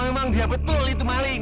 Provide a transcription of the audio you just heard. memang dia betul itu maling